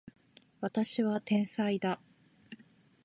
私は天才だ